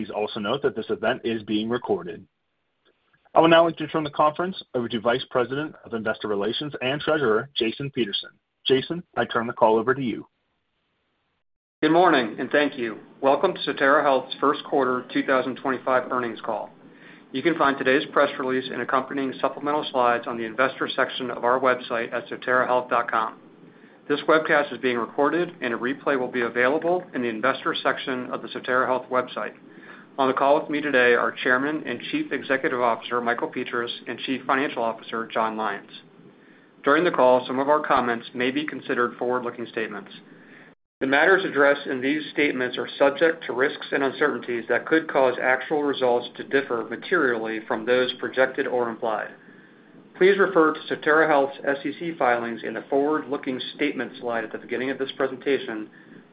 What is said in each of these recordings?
Please also note that this event is being recorded. I will now like to turn the conference over to Vice President of Investor Relations and Treasurer, Jason Peterson. Jason, I turn the call over to you. Good morning, and thank you. Welcome to Sotera Health's first quarter 2025 earnings call. You can find today's press release and accompanying supplemental slides on the investor section of our website at soterahealth.com. This webcast is being recorded, and a replay will be available in the investor section of the Sotera Health website. On the call with me today are Chairman and Chief Executive Officer Michael Petras and Chief Financial Officer Jon Lyons. During the call, some of our comments may be considered forward-looking statements. The matters addressed in these statements are subject to risks and uncertainties that could cause actual results to differ materially from those projected or implied. Please refer to Sotera Health's SEC filings and the forward-looking statement slide at the beginning of this presentation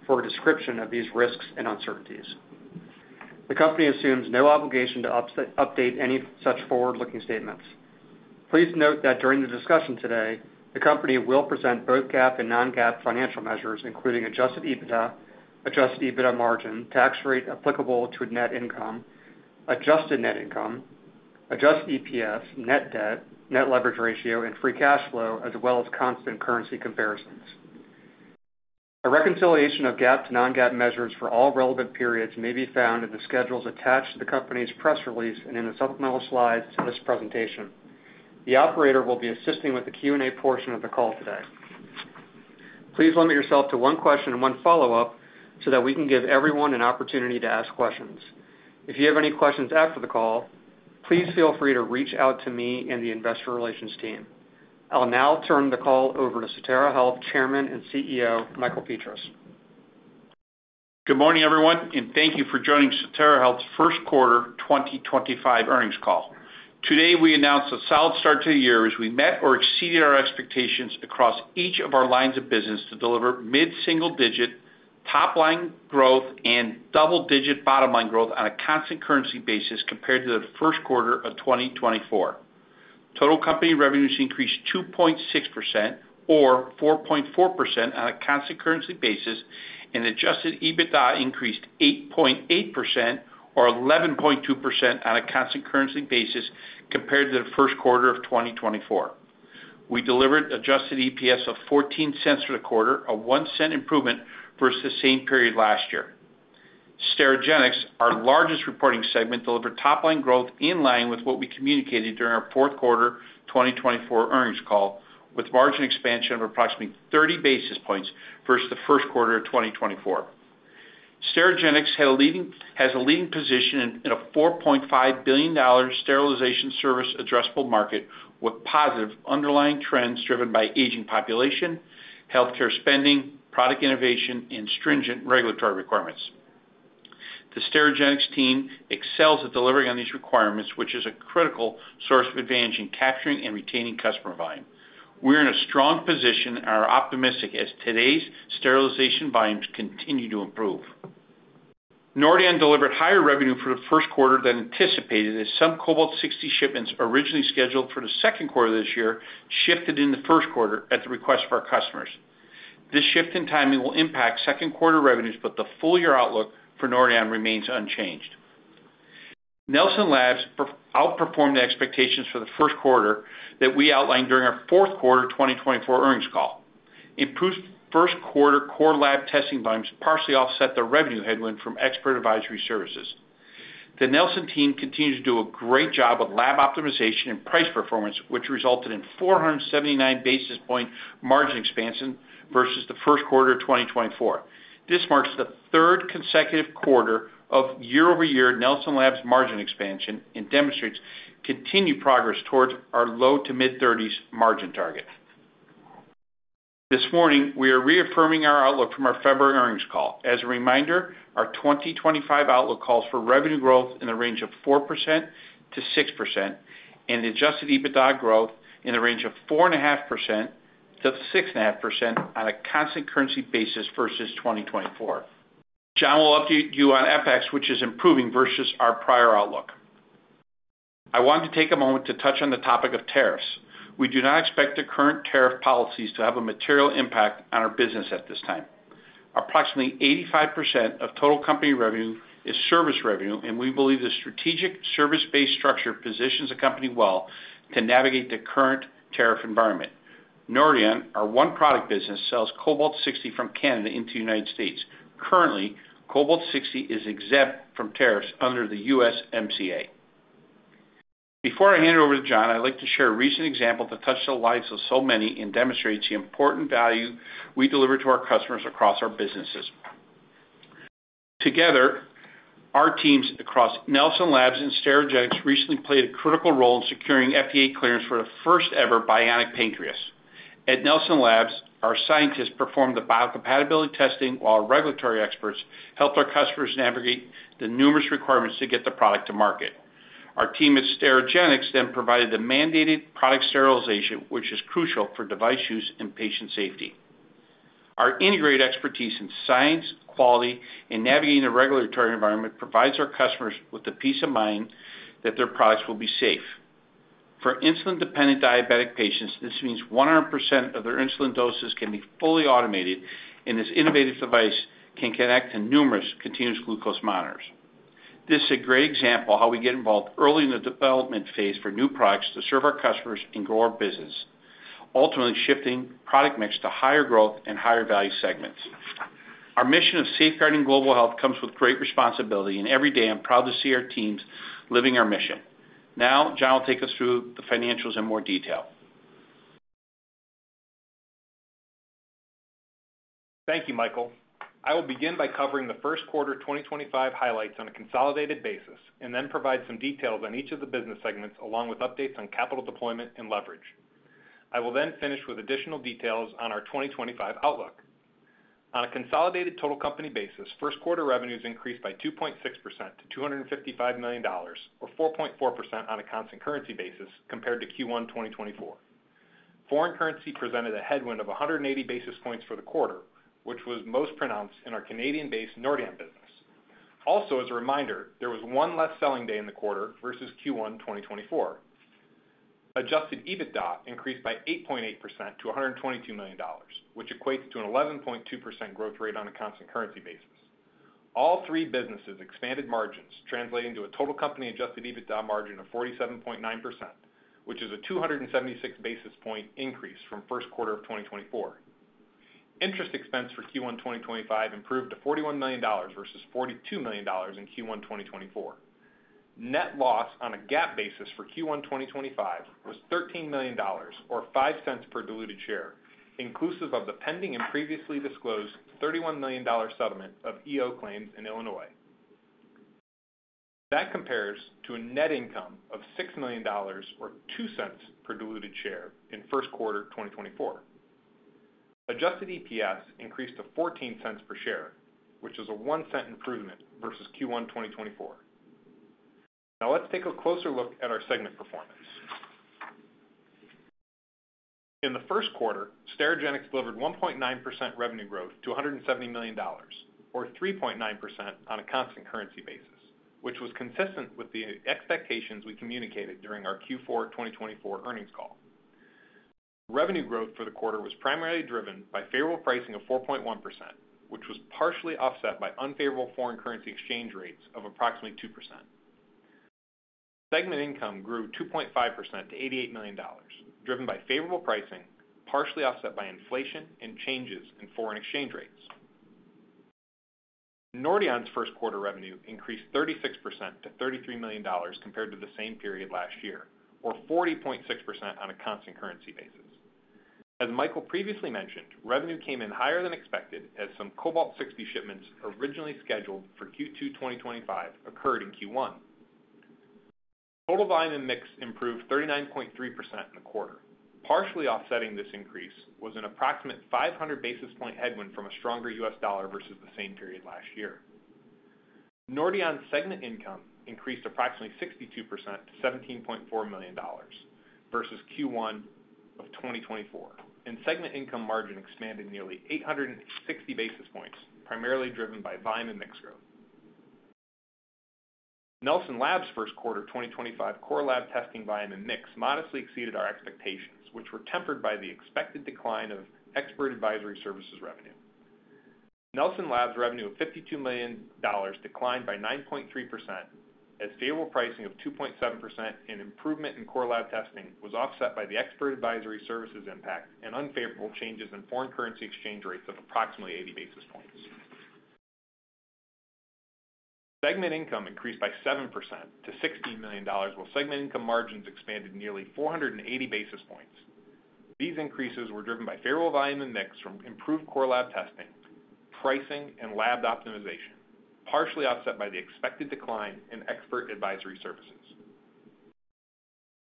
for a description of these risks and uncertainties. The company assumes no obligation to update any such forward-looking statements. Please note that during the discussion today, the company will present both GAAP and non-GAAP financial measures, including adjusted EBITDA, adjusted EBITDA margin, tax rate applicable to net income, adjusted net income, adjusted EPS, net debt, net leverage ratio, and free cash flow, as well as constant currency comparisons. A reconciliation of GAAP to non-GAAP measures for all relevant periods may be found in the schedules attached to the company's press release and in the supplemental slides to this presentation. The operator will be assisting with the Q&A portion of the call today. Please limit yourself to one question and one follow-up so that we can give everyone an opportunity to ask questions. If you have any questions after the call, please feel free to reach out to me and the investor relations team. I'll now turn the call over to Sotera Health Chairman and CEO Michael Petras. Good morning, everyone, and thank you for joining Sotera Health's first quarter 2025 earnings call. Today, we announce a solid start to the year as we met or exceeded our expectations across each of our lines of business to deliver mid-single-digit top-line growth and double-digit bottom-line growth on a constant currency basis compared to the first quarter of 2024. Total company revenues increased 2.6% or 4.4% on a constant currency basis, and adjusted EBITDA increased 8.8% or 11.2% on a constant currency basis compared to the first quarter of 2024. We delivered adjusted EPS of $0.14 for the quarter, a $0.01 improvement versus the same period last year. Sterigenics, our largest reporting segment, delivered top-line growth in line with what we communicated during our fourth quarter 2024 earnings call, with margin expansion of approximately 30 basis points versus the first quarter of 2024. Sterigenics has a leading position in a $4.5 billion sterilization service addressable market with positive underlying trends driven by aging population, healthcare spending, product innovation, and stringent regulatory requirements. The Sterigenics team excels at delivering on these requirements, which is a critical source of advantage in capturing and retaining customer volume. We're in a strong position and are optimistic as today's sterilization volumes continue to improve. Nordion delivered higher revenue for the first quarter than anticipated, as some Cobalt-60 shipments originally scheduled for the second quarter of this year shifted in the first quarter at the request of our customers. This shift in timing will impact second quarter revenues, but the full year outlook for Nordion remains unchanged. Nelson Labs outperformed expectations for the first quarter that we outlined during our fourth quarter 2024 earnings call. Improved first quarter core lab testing volumes partially offset the revenue headwind from Expert Advisory Services. The Nelson team continues to do a great job with lab optimization and price performance, which resulted in 479 basis point margin expansion versus the first quarter of 2024. This marks the third consecutive quarter of year-over-year Nelson Labs margin expansion and demonstrates continued progress towards our low to mid-30s margin target. This morning, we are reaffirming our outlook from our February earnings call. As a reminder, our 2025 outlook calls for revenue growth in the range of 4%-6% and adjusted EBITDA growth in the range of 4.5%-6.5% on a constant currency basis versus 2024. Jon will update you on FX, which is improving versus our prior outlook. I want to take a moment to touch on the topic of tariffs. We do not expect the current tariff policies to have a material impact on our business at this time. Approximately 85% of total company revenue is service revenue, and we believe the strategic service-based structure positions the company well to navigate the current tariff environment. Nordion, our one-product business, sells Cobalt-60 from Canada into the United States. Currently, Cobalt-60 is exempt from tariffs under the USMCA. Before I hand it over to Jon, I'd like to share a recent example that touched the lives of so many and demonstrates the important value we deliver to our customers across our businesses. Together, our teams across Nelson Labs and Sterigenics recently played a critical role in securing FDA clearance for the first-ever bionic pancreas. At Nelson Labs, our scientists performed the biocompatibility testing, while our regulatory experts helped our customers navigate the numerous requirements to get the product to market. Our team at Sterigenics then provided the mandated product sterilization, which is crucial for device use and patient safety. Our integrated expertise in science, quality, and navigating the regulatory environment provides our customers with the peace of mind that their products will be safe. For insulin-dependent diabetic patients, this means 100% of their insulin doses can be fully automated, and this innovative device can connect to numerous continuous glucose monitors. This is a great example of how we get involved early in the development phase for new products to serve our customers and grow our business, ultimately shifting product mix to higher growth and higher value segments. Our mission of safeguarding global health comes with great responsibility, and every day I'm proud to see our teams living our mission. Now, Jon will take us through the financials in more detail. Thank you, Michael. I will begin by covering the first quarter 2025 highlights on a consolidated basis and then provide some details on each of the business segments along with updates on capital deployment and leverage. I will then finish with additional details on our 2025 outlook. On a consolidated total company basis, first quarter revenues increased by 2.6% to $255 million, or 4.4% on a constant currency basis compared to Q1 2024. Foreign currency presented a headwind of 180 basis points for the quarter, which was most pronounced in our Canadian-based Nordion business. Also, as a reminder, there was one less selling day in the quarter versus Q1 2024. Adjusted EBITDA increased by 8.8% to $122 million, which equates to an 11.2% growth rate on a constant currency basis. All three businesses expanded margins, translating to a total company adjusted EBITDA margin of 47.9%, which is a 276 basis point increase from first quarter of 2024. Interest expense for Q1 2025 improved to $41 million versus $42 million in Q1 2024. Net loss on a GAAP basis for Q1 2025 was $13 million, or $0.05 per diluted share, inclusive of the pending and previously disclosed $31 million settlement of EO claims in Illinois. That compares to a net income of $6 million, or $0.02 per diluted share in first quarter 2024. Adjusted EPS increased to $0.14 per share, which is a $0.01 improvement versus Q1 2024. Now, let's take a closer look at our segment performance. In the first quarter, Sterigenics delivered 1.9% revenue growth to $170 million, or 3.9% on a constant currency basis, which was consistent with the expectations we communicated during our Q4 2024 earnings call. Revenue growth for the quarter was primarily driven by favorable pricing of 4.1%, which was partially offset by unfavorable foreign currency exchange rates of approximately 2%. Segment income grew 2.5% to $88 million, driven by favorable pricing, partially offset by inflation and changes in foreign exchange rates. Nordion's first quarter revenue increased 36% to $33 million compared to the same period last year, or 40.6% on a constant currency basis. As Michael previously mentioned, revenue came in higher than expected as some Cobalt-60 shipments originally scheduled for Q2 2025 occurred in Q1. Total volume and mix improved 39.3% in the quarter. Partially offsetting this increase was an approximate 500 basis point headwind from a stronger U.S. dollar versus the same period last year. Nordion's segment income increased approximately 62% to $17.4 million versus Q1 of 2024, and segment income margin expanded nearly 860 basis points, primarily driven by volume and mix growth. Nelson Labs' first quarter 2025 core lab testing volume and mix modestly exceeded our expectations, which were tempered by the expected decline of expert advisory services revenue. Nelson Labs' revenue of $52 million declined by 9.3%, as favorable pricing of 2.7% and improvement in core lab testing was offset by the expert advisory services impact and unfavorable changes in foreign currency exchange rates of approximately 80 basis points. Segment income increased by 7% to $16 million, while segment income margins expanded nearly 480 basis points. These increases were driven by favorable volume and mix from improved core lab testing, pricing, and lab optimization, partially offset by the expected decline in expert advisory services.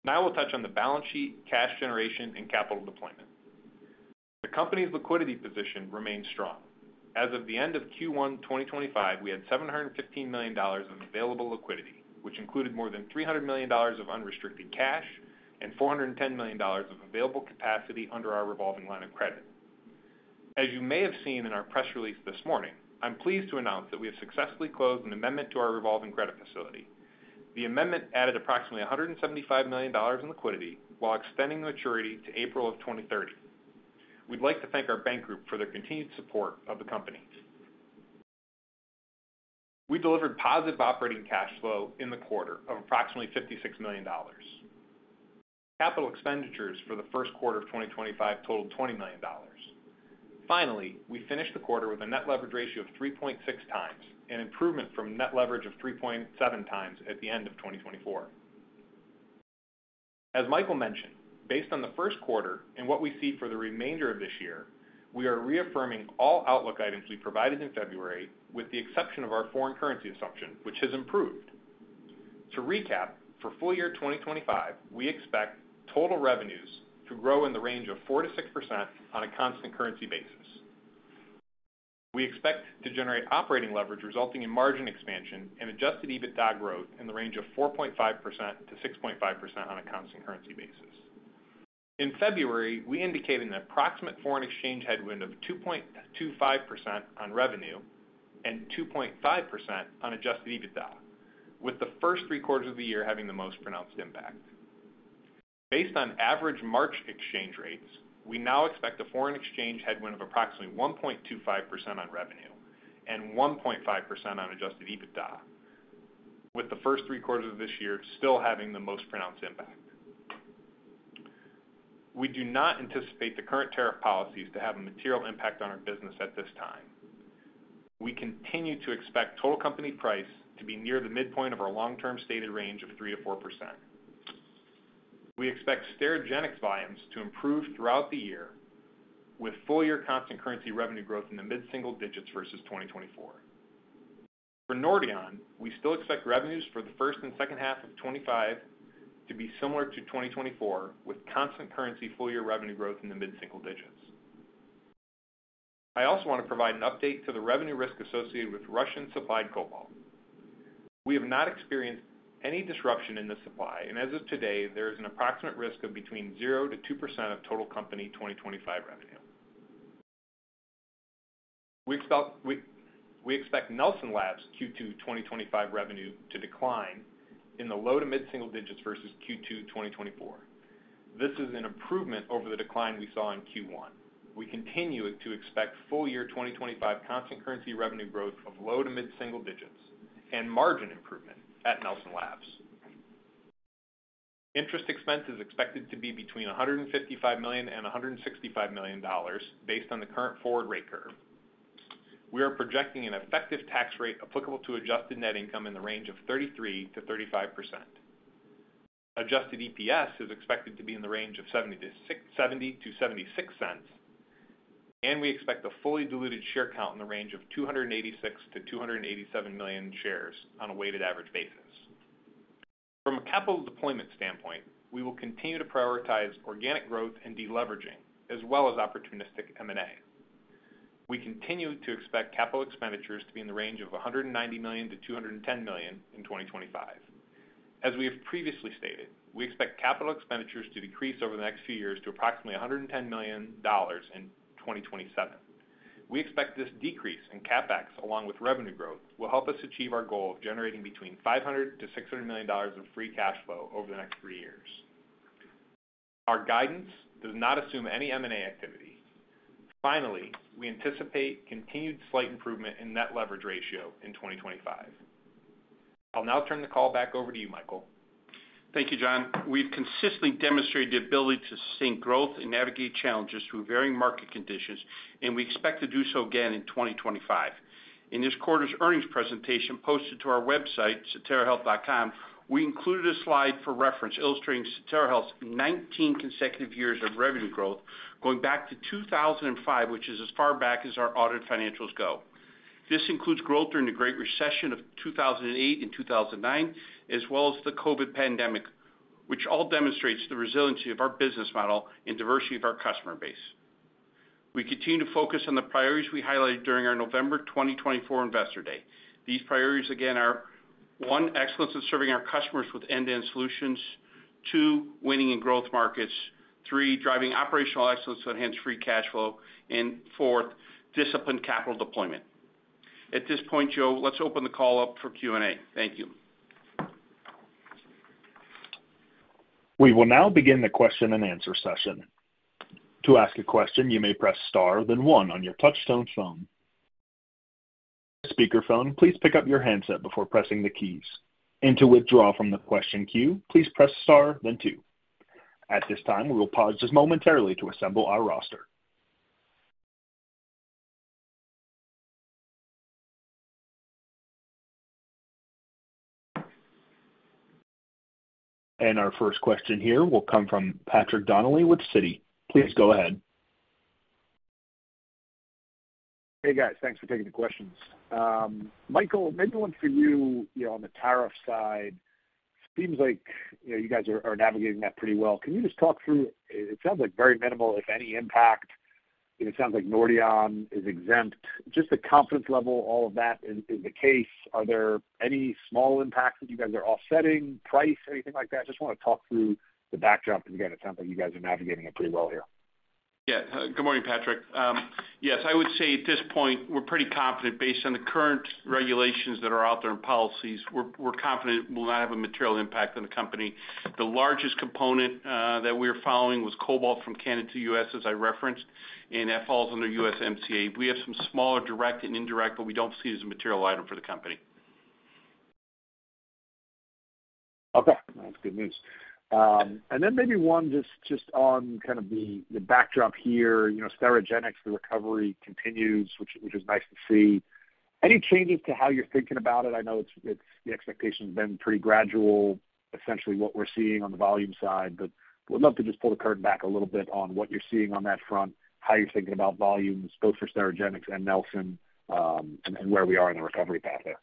Now we'll touch on the balance sheet, cash generation, and capital deployment. The company's liquidity position remains strong. As of the end of Q1 2025, we had $715 million in available liquidity, which included more than $300 million of unrestricted cash and $410 million of available capacity under our revolving line of credit. As you may have seen in our press release this morning, I'm pleased to announce that we have successfully closed an amendment to our revolving credit facility. The amendment added approximately $175 million in liquidity while extending the maturity to April of 2030. We'd like to thank our bank group for their continued support of the company. We delivered positive operating cash flow in the quarter of approximately $56 million. Capital expenditures for the first quarter of 2025 totaled $20 million. Finally, we finished the quarter with a net leverage ratio of 3.6x, an improvement from net leverage of 3.7x at the end of 2024. As Michael mentioned, based on the first quarter and what we see for the remainder of this year, we are reaffirming all outlook items we provided in February with the exception of our foreign currency assumption, which has improved. To recap, for full year 2025, we expect total revenues to grow in the range of 4%-6% on a constant currency basis. We expect to generate operating leverage resulting in margin expansion and adjusted EBITDA growth in the range of 4.5%-6.5% on a constant currency basis. In February, we indicated an approximate foreign exchange headwind of 2.25% on revenue and 2.5% on adjusted EBITDA, with the first three quarters of the year having the most pronounced impact. Based on average March exchange rates, we now expect a foreign exchange headwind of approximately 1.25% on revenue and 1.5% on adjusted EBITDA, with the first three quarters of this year still having the most pronounced impact. We do not anticipate the current tariff policies to have a material impact on our business at this time. We continue to expect total company price to be near the midpoint of our long-term stated range of 3%-4%. We expect Sterigenics volumes to improve throughout the year with full year constant currency revenue growth in the mid-single digits versus 2024. For Nordion, we still expect revenues for the first and second half of 2025 to be similar to 2024, with constant currency full year revenue growth in the mid-single digits. I also want to provide an update to the revenue risk associated with Russian-supplied Cobalt. We have not experienced any disruption in the supply, and as of today, there is an approximate risk of between 0%-2% of total company 2025 revenue. We expect Nelson Labs' Q2 2025 revenue to decline in the low to mid-single digits versus Q2 2024. This is an improvement over the decline we saw in Q1. We continue to expect full year 2025 constant currency revenue growth of low to mid-single digits and margin improvement at Nelson Labs. Interest expense is expected to be between $155 million-$165 million based on the current forward rate curve. We are projecting an effective tax rate applicable to adjusted net income in the range of 33%-35%. Adjusted EPS is expected to be in the range of $0.70-$0.76, and we expect a fully diluted share count in the range of 286-287 million shares on a weighted average basis. From a capital deployment standpoint, we will continue to prioritize organic growth and deleveraging, as well as opportunistic M&A. We continue to expect capital expenditures to be in the range of $190 million-$210 million in 2025. As we have previously stated, we expect capital expenditures to decrease over the next few years to approximately $110 million in 2027. We expect this decrease in CAPEX, along with revenue growth, will help us achieve our goal of generating between $500 million-$600 million of free cash flow over the next three years. Our guidance does not assume any M&A activity. Finally, we anticipate continued slight improvement in net leverage ratio in 2025. I'll now turn the call back over to you, Michael. Thank you, Jon. We've consistently demonstrated the ability to sustain growth and navigate challenges through varying market conditions, and we expect to do so again in 2025. In this quarter's earnings presentation posted to our website, soterahealth.com, we included a slide for reference illustrating Sotera Health's 19 consecutive years of revenue growth going back to 2005, which is as far back as our audited financials go. This includes growth during the Great Recession of 2008 and 2009, as well as the COVID pandemic, which all demonstrates the resiliency of our business model and diversity of our customer base. We continue to focus on the priorities we highlighted during our November 2024 Investor Day. These priorities, again, are: one, excellence in serving our customers with end-to-end solutions; two, winning in growth markets; three, driving operational excellence to enhance free cash flow; and fourth, disciplined capital deployment. At this point, Joe, let's open the call up for Q&A. Thank you. We will now begin the question and answer session. To ask a question, you may press star then one on your touch-tone phone. For speakerphone, please pick up your handset before pressing the keys. To withdraw from the question queue, please press star then two. At this time, we will pause just momentarily to assemble our roster. Our first question here will come from Patrick Donnelly with Citi. Please go ahead. Hey, guys. Thanks for taking the questions. Michael, maybe one for you on the tariff side. It seems like you guys are navigating that pretty well. Can you just talk through, it sounds like very minimal, if any, impact. It sounds like Nordion is exempt. Just the confidence level, all of that, is the case. Are there any small impacts that you guys are offsetting, price, anything like that? I just want to talk through the backdrop, because again, it sounds like you guys are navigating it pretty well here. Yeah. Good morning, Patrick. Yes, I would say at this point, we're pretty confident based on the current regulations that are out there and policies. We're confident we'll not have a material impact on the company. The largest component that we are following was Cobalt-60 from Canada to the U.S., as I referenced, and that falls under USMCA. We have some smaller direct and indirect that we don't see as a material item for the company. Okay. That's good news. Maybe one just on kind of the backdrop here. Sterigenics, the recovery continues, which is nice to see. Any changes to how you're thinking about it? I know the expectation has been pretty gradual, essentially what we're seeing on the volume side, but we'd love to just pull the curtain back a little bit on what you're seeing on that front, how you're thinking about volumes, both for Sterigenics and Nelson, and where we are in the recovery path there.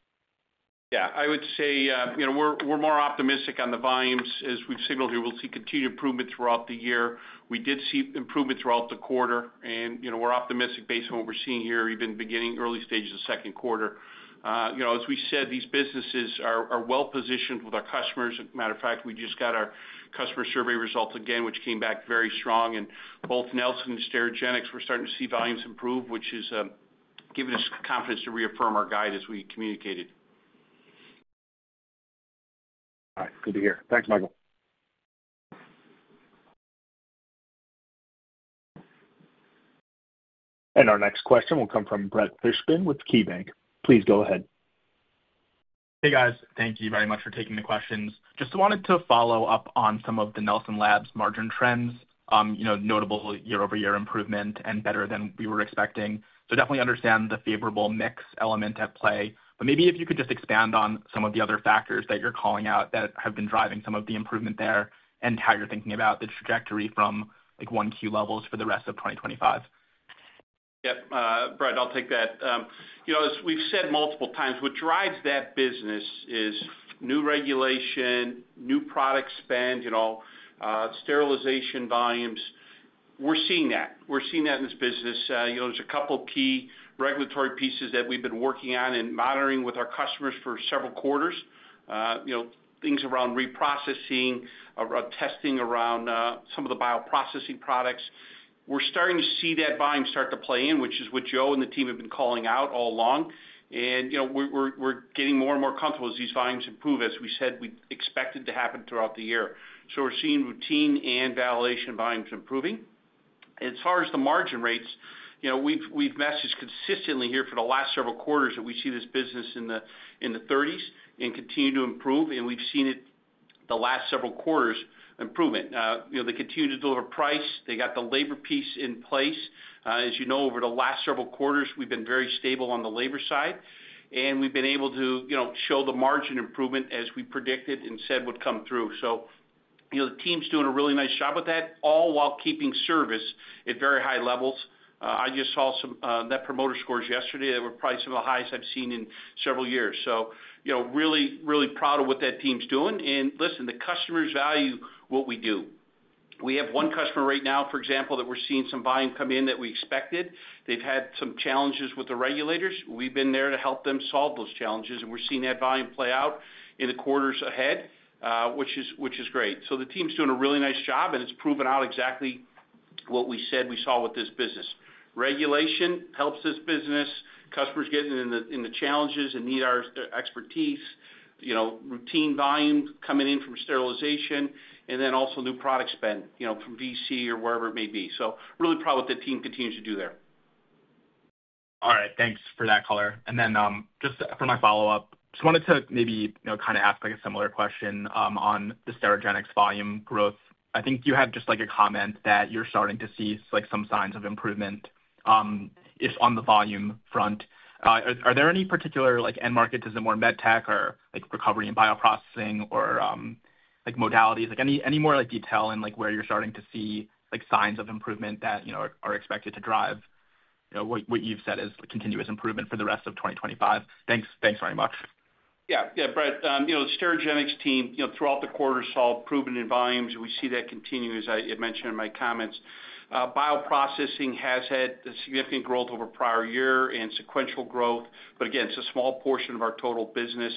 Yeah. I would say we're more optimistic on the volumes. As we've signaled here, we'll see continued improvement throughout the year. We did see improvement throughout the quarter, and we're optimistic based on what we're seeing here, even beginning early stages of second quarter. As we said, these businesses are well-positioned with our customers. As a matter of fact, we just got our customer survey results again, which came back very strong. Both Nelson Labs and Sterigenics, we're starting to see volumes improve, which has given us confidence to reaffirm our guide as we communicated. All right. Good to hear. Thanks, Michael. Our next question will come from Brett Fishman with KeyBanc. Please go ahead. Hey, guys. Thank you very much for taking the questions. Just wanted to follow-up on some of the Nelson Labs margin trends, notable year-over-year improvement and better than we were expecting. I definitely understand the favorable mix element at play. If you could just expand on some of the other factors that you're calling out that have been driving some of the improvement there and how you're thinking about the trajectory from 1Q levels for the rest of 2025. Yep. Brett, I'll take that. As we've said multiple times, what drives that business is new regulation, new product spend, sterilization volumes. We're seeing that. We're seeing that in this business. There's a couple of key regulatory pieces that we've been working on and monitoring with our customers for several quarters, things around reprocessing, around testing, around some of the bioprocessing products. We're starting to see that volume start to play in, which is what Joe and the team have been calling out all along. We're getting more and more comfortable as these volumes improve, as we said we expected to happen throughout the year. We're seeing routine and validation volumes improving. As far as the margin rates, we've messaged consistently here for the last several quarters that we see this business in the 30s and continue to improve. We've seen it the last several quarters improvement. They continue to deliver price. They got the labor piece in place. As you know, over the last several quarters, we've been very stable on the labor side, and we've been able to show the margin improvement as we predicted and said would come through. The team's doing a really nice job with that, all while keeping service at very high levels. I just saw some Net Promoter Scores yesterday that were probably some of the highest I've seen in several years. Really, really proud of what that team's doing. Listen, the customers value what we do. We have one customer right now, for example, that we're seeing some volume come in that we expected. They've had some challenges with the regulators. We've been there to help them solve those challenges, and we're seeing that volume play out in the quarters ahead, which is great. The team's doing a really nice job, and it's proving out exactly what we said we saw with this business. Regulation helps this business. Customers get in the challenges and need our expertise, routine volume coming in from sterilization, and then also new product spend from VC or wherever it may be. Really proud of what the team continues to do there. All right. Thanks for that color. Just for my follow-up, just wanted to maybe kind of ask a similar question on the Sterigenics volume growth. I think you had just a comment that you're starting to see some signs of improvement on the volume front. Are there any particular end markets as more med tech or recovery and bioprocessing or modalities? Any more detail in where you're starting to see signs of improvement that are expected to drive what you've said is continuous improvement for the rest of 2025? Thanks very much. Yeah. Yeah, Brett, Sterigenics team, throughout the quarters, saw improvement in volumes, and we see that continue, as I had mentioned in my comments. Bioprocessing has had significant growth over prior year and sequential growth, but again, it's a small portion of our total business.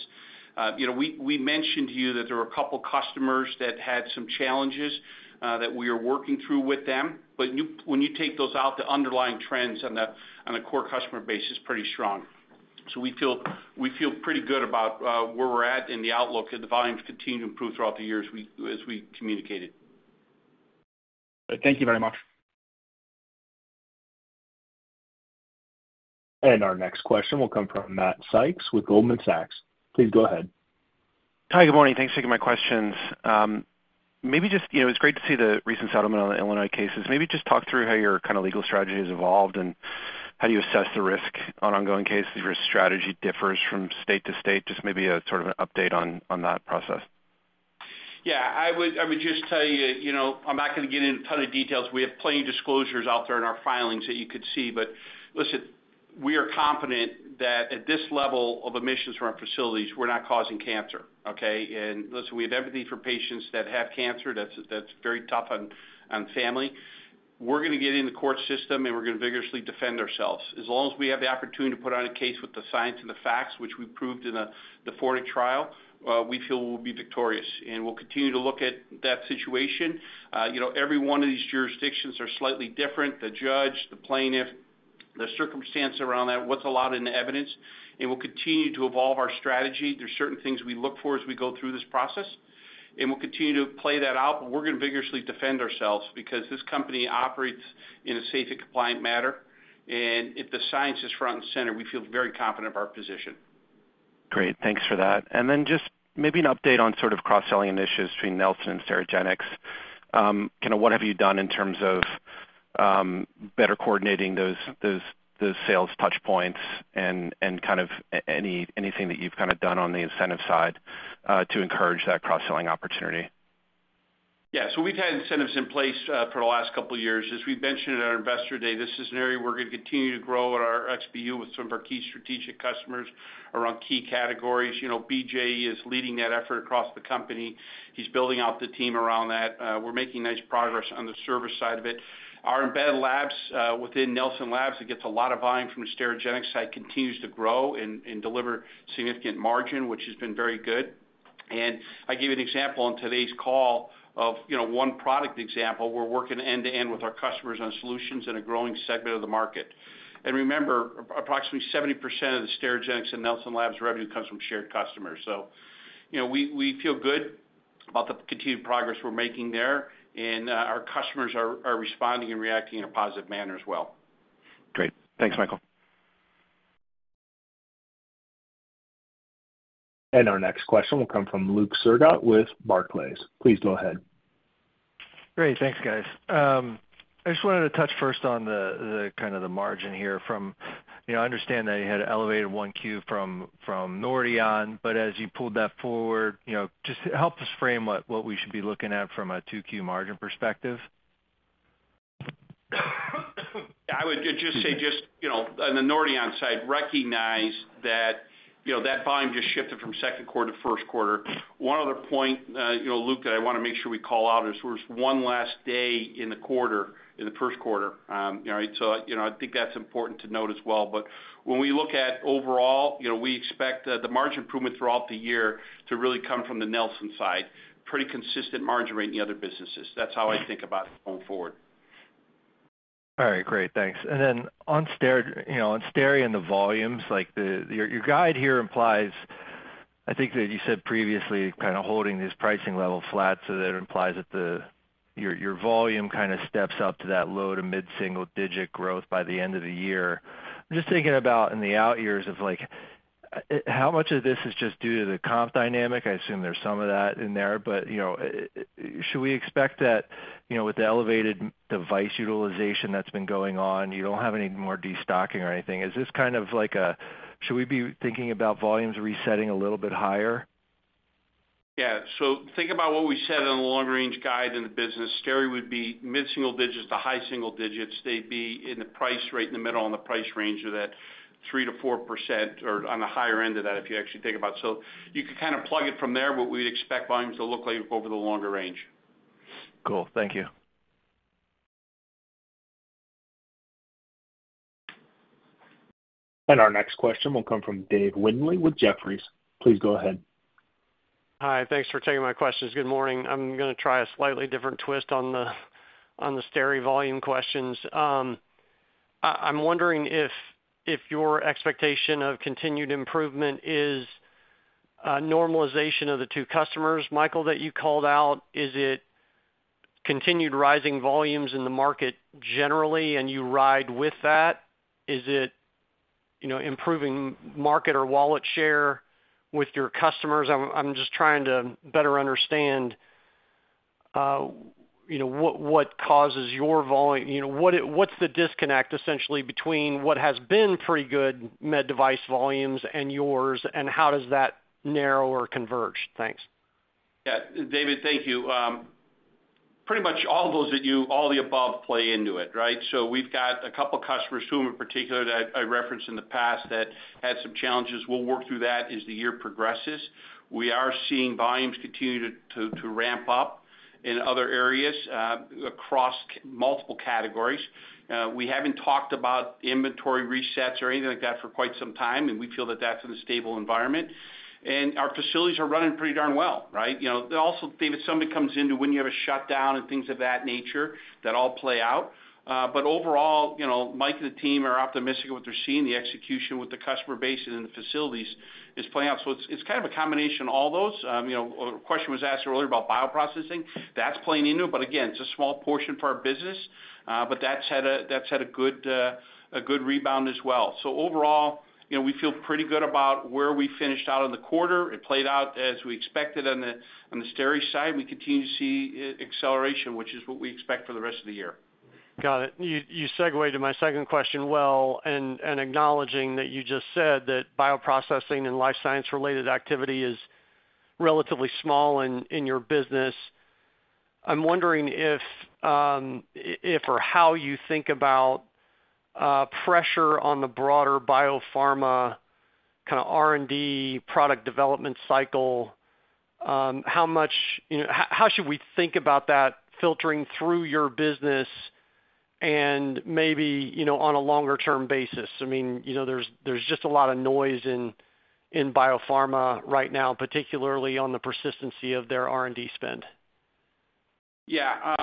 We mentioned to you that there were a couple of customers that had some challenges that we are working through with them. When you take those out, the underlying trends on the core customer base is pretty strong. We feel pretty good about where we're at and the outlook that the volumes continue to improve throughout the year as we communicated. Thank you very much. Our next question will come from Matt Sykes with Goldman Sachs. Please go ahead. Hi, good morning. Thanks for taking my questions. Maybe just it was great to see the recent settlement on the Illinois cases. Maybe just talk through how your kind of legal strategy has evolved and how do you assess the risk on ongoing cases? Your strategy differs from state to state. Just maybe a sort of an update on that process. Yeah. I would just tell you, I'm not going to get into a ton of details. We have plenty of disclosures out there in our filings that you could see. Listen, we are confident that at this level of emissions from our facilities, we're not causing cancer, okay? Listen, we have empathy for patients that have cancer. That's very tough on family. We're going to get in the court system, and we're going to vigorously defend ourselves. As long as we have the opportunity to put on a case with the science and the facts, which we proved in the Fornek trial, we feel we'll be victorious. We'll continue to look at that situation. Every one of these jurisdictions are slightly different: the judge, the plaintiff, the circumstances around that, what's allotted in the evidence. We'll continue to evolve our strategy. There are certain things we look for as we go through this process. We will continue to play that out. We are going to vigorously defend ourselves because this company operates in a safe and compliant manner. If the science is front and center, we feel very confident of our position. Great. Thanks for that. Just maybe an update on sort of cross-selling initiatives between Nelson and Sterigenics. Kind of what have you done in terms of better coordinating those sales touchpoints and kind of anything that you've kind of done on the incentive side to encourage that cross-selling opportunity? Yeah. We have had incentives in place for the last couple of years. As we mentioned at our Investor Day, this is an area we are going to continue to grow at our XBU with some of our key strategic customers around key categories. BJ is leading that effort across the company. He is building out the team around that. We are making nice progress on the service side of it. Our embedded labs within Nelson Labs that get a lot of volume from the Sterigenics side continue to grow and deliver significant margin, which has been very good. I gave you an example on today's call of one product example. We are working end-to-end with our customers on solutions in a growing segment of the market. Remember, approximately 70% of the Sterigenics and Nelson Labs revenue comes from shared customers. We feel good about the continued progress we're making there, and our customers are responding and reacting in a positive manner as well. Great. Thanks, Michael. Our next question will come from Luke Sergott with Barclays. Please go ahead. Great. Thanks, guys. I just wanted to touch first on the kind of the margin here. I understand that you had an elevated Q1 from Nordion, but as you pulled that forward, just help us frame what we should be looking at from a Q2 margin perspective. I would just say just on the Nordion side, recognize that that volume just shifted from second quarter to first quarter. One other point, Luke, that I want to make sure we call out is there's one less day in the quarter, in the first quarter. I think that's important to note as well. When we look at overall, we expect the margin improvement throughout the year to really come from the Nelson side, pretty consistent margin rate in the other businesses. That's how I think about it going forward. All right. Great. Thanks. Then on Steri, on Steri and the volumes, your guide here implies, I think that you said previously, kind of holding this pricing level flat, so that implies that your volume kind of steps up to that low to mid-single-digit growth by the end of the year. I'm just thinking about in the out years of how much of this is just due to the comp dynamic. I assume there's some of that in there. Should we expect that with the elevated device utilization that's been going on, you don't have any more destocking or anything? Is this kind of like a should we be thinking about volumes resetting a little bit higher? Yeah. So think about what we said on the long-range guide in the business. Steri would be mid-single digits to high single digits. They'd be in the price rate in the middle on the price range of that 3-4% or on the higher end of that if you actually think about it. So you could kind of plug it from there, what we'd expect volumes to look like over the longer range. Cool. Thank you. Our next question will come from Dave Windley with Jefferies. Please go ahead. Hi. Thanks for taking my questions. Good morning. I'm going to try a slightly different twist on the Steri volume questions. I'm wondering if your expectation of continued improvement is normalization of the two customers, Michael, that you called out. Is it continued rising volumes in the market generally, and you ride with that? Is it improving market or wallet share with your customers? I'm just trying to better understand what causes your volume. What's the disconnect, essentially, between what has been pretty good med device volumes and yours, and how does that narrow or converge? Thanks. Yeah. David, thank you. Pretty much all those that you all the above play into it, right? We have got a couple of customers whom, in particular, that I referenced in the past that had some challenges. We will work through that as the year progresses. We are seeing volumes continue to ramp up in other areas across multiple categories. We have not talked about inventory resets or anything like that for quite some time, and we feel that that is in a stable environment. Our facilities are running pretty darn well, right? Also, David, something comes into when you have a shutdown and things of that nature, that all play out. Overall, Mike and the team are optimistic of what they are seeing. The execution with the customer base and in the facilities is playing out. It is kind of a combination of all those. A question was asked earlier about bioprocessing. That's playing into it. Again, it's a small portion for our business, but that's had a good rebound as well. Overall, we feel pretty good about where we finished out in the quarter. It played out as we expected on the Steri side. We continue to see acceleration, which is what we expect for the rest of the year. Got it. You segue to my second question well and acknowledging that you just said that bioprocessing and life science-related activity is relatively small in your business. I'm wondering if or how you think about pressure on the broader biopharma kind of R&D product development cycle. How much how should we think about that filtering through your business and maybe on a longer-term basis? I mean, there's just a lot of noise in biopharma right now, particularly on the persistency of their R&D spend. Yeah.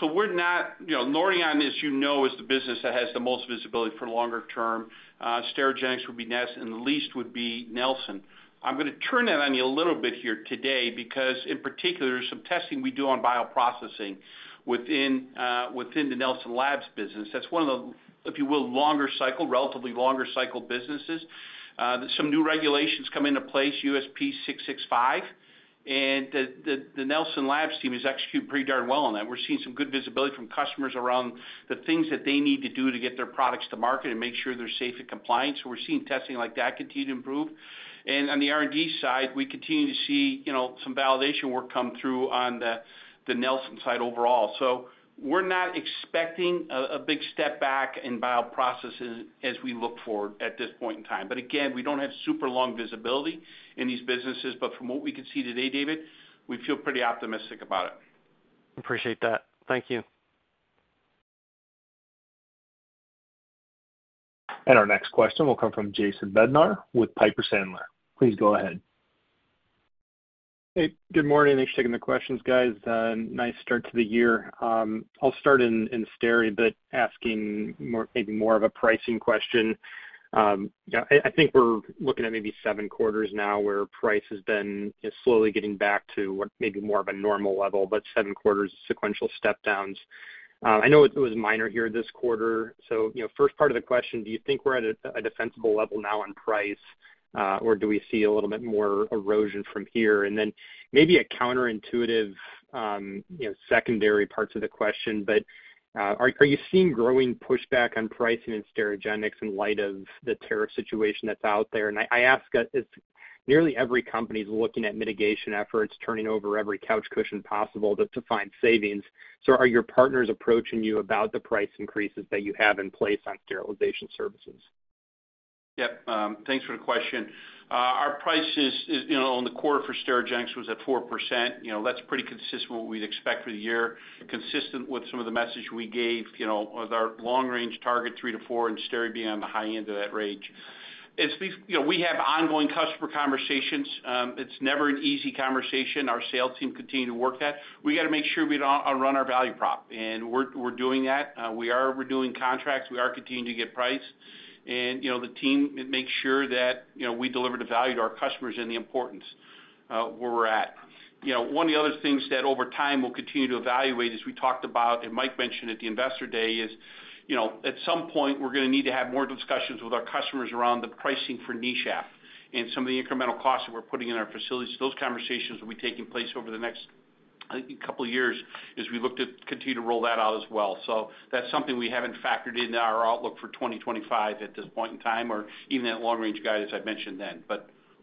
So Nordion, as you know, is the business that has the most visibility for longer term. Sterigenics would be next, and the least would be Nelson. I'm going to turn that on you a little bit here today because, in particular, there's some testing we do on bioprocessing within the Nelson Labs business. That's one of the, if you will, longer-cycle, relatively longer-cycle businesses. Some new regulations come into place, USP <665>, and the Nelson Labs team has executed pretty darn well on that. We're seeing some good visibility from customers around the things that they need to do to get their products to market and make sure they're safe and compliant. We're seeing testing like that continue to improve. On the R&D side, we continue to see some validation work come through on the Nelson side overall. We're not expecting a big step back in bioprocessing as we look forward at this point in time. Again, we don't have super long visibility in these businesses, but from what we can see today, David, we feel pretty optimistic about it. Appreciate that. Thank you. Our next question will come from Jason Bednar with Piper Sandler. Please go ahead. Hey. Good morning. Thanks for taking the questions, guys. Nice start to the year. I'll start in Steri but asking maybe more of a pricing question. I think we're looking at maybe seven quarters now where price has been slowly getting back to maybe more of a normal level, but seven quarters of sequential step-downs. I know it was minor here this quarter. First part of the question, do you think we're at a defensible level now on price, or do we see a little bit more erosion from here? Maybe a counterintuitive secondary part to the question, but are you seeing growing pushback on pricing in Sterigenics in light of the tariff situation that's out there? I ask because nearly every company is looking at mitigation efforts, turning over every couch cushion possible to find savings. Are your partners approaching you about the price increases that you have in place on sterilization services? Yep. Thanks for the question. Our prices on the quarter for Sterigenics was at 4%. That's pretty consistent with what we'd expect for the year, consistent with some of the message we gave with our long-range target, three to four, and Steri being on the high end of that range. We have ongoing customer conversations. It's never an easy conversation. Our sales team continue to work that. We got to make sure we don't outrun our value prop. And we're doing that. We are renewing contracts. We are continuing to get priced. And the team makes sure that we deliver the value to our customers and the importance where we're at. One of the other things that over time we'll continue to evaluate is we talked about, and Mike mentioned at the Investor Day, is at some point we're going to need to have more discussions with our customers around the pricing for NESHAP and some of the incremental costs that we're putting in our facilities. Those conversations will be taking place over the next couple of years as we look to continue to roll that out as well. That is something we haven't factored into our outlook for 2025 at this point in time or even that long-range guide as I mentioned then.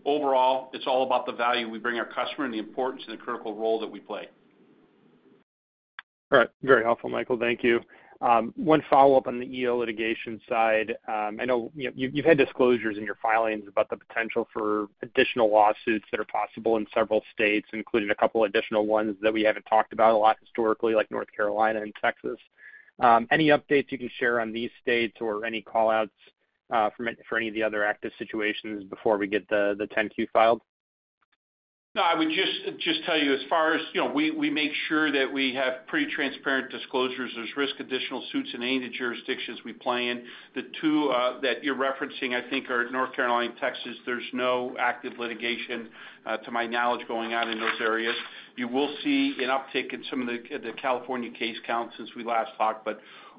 Overall, it's all about the value we bring our customer and the importance and the critical role that we play. All right. Very helpful, Michael. Thank you. One follow-up on the EO litigation side. I know you've had disclosures in your filings about the potential for additional lawsuits that are possible in several states, including a couple of additional ones that we haven't talked about a lot historically, like North Carolina and Texas. Any updates you can share on these states or any callouts for any of the other active situations before we get the 10-Q filed? No. I would just tell you as far as we make sure that we have pretty transparent disclosures. There's risk additional suits in any of the jurisdictions we play in. The two that you're referencing, I think, are North Carolina and Texas. There's no active litigation, to my knowledge, going on in those areas. You will see an uptick in some of the California case counts since we last talked.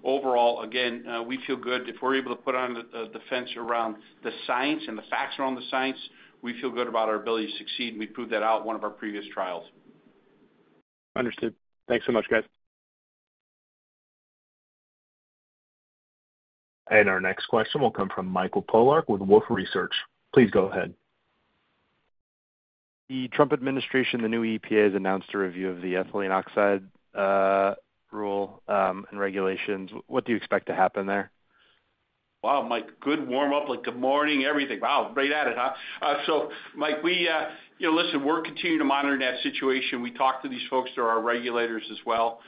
Overall, again, we feel good. If we're able to put on a defense around the science and the facts around the science, we feel good about our ability to succeed. We proved that out in one of our previous trials. Understood. Thanks so much, guys. Our next question will come from Michael Polark with Wolfe Research. Please go ahead. The Trump administration, the new EPA has announced a review of the ethylene oxide rule and regulations. What do you expect to happen there? Wow, Mike. Good warm-up, like good morning, everything. Wow, right at it, huh? Mike, listen, we're continuing to monitor that situation. We talked to these folks through our regulators as well.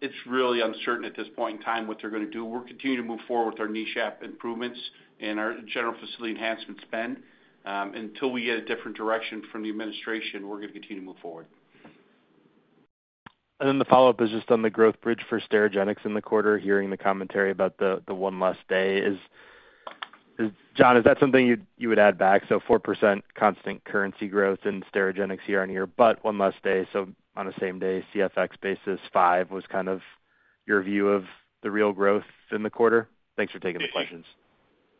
It's really uncertain at this point in time what they're going to do. We're continuing to move forward with our NESHAP improvements and our general facility enhancement spend. Until we get a different direction from the administration, we're going to continue to move forward. Then the follow-up is just on the growth bridge for Sterigenics in the quarter, hearing the commentary about the one less day. Jon, is that something you would add back? Four percent constant currency growth in Sterigenics year on year, but one less day. On the same day CFX basis, five was kind of your view of the real growth in the quarter. Thanks for taking the questions.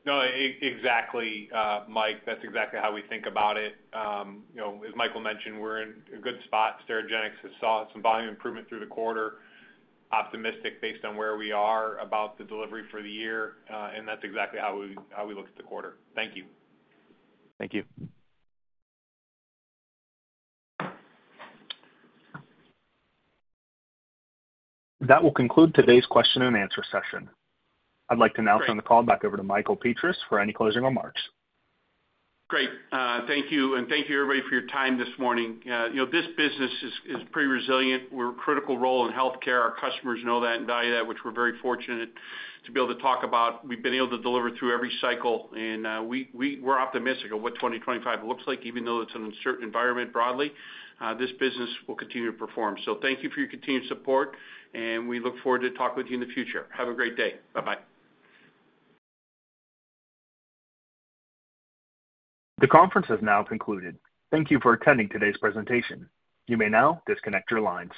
No, exactly, Mike. That's exactly how we think about it. As Michael mentioned, we're in a good spot. Sterigenics has saw some volume improvement through the quarter. Optimistic based on where we are about the delivery for the year. That's exactly how we look at the quarter. Thank you. Thank you. That will conclude today's question and answer session. I'd like to now turn the call back over to Michael Petras for any closing remarks. Great. Thank you. And thank you, everybody, for your time this morning. This business is pretty resilient. We are a critical role in healthcare. Our customers know that and value that, which we are very fortunate to be able to talk about. We have been able to deliver through every cycle. We are optimistic of what 2025 looks like, even though it is an uncertain environment broadly. This business will continue to perform. Thank you for your continued support, and we look forward to talking with you in the future. Have a great day. Bye-bye. The conference has now concluded. Thank you for attending today's presentation. You may now disconnect your lines.